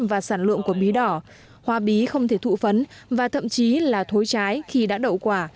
và sản lượng của bí đỏ hoa bí không thể thụ phấn và thậm chí là thối trái khi đã đậu quả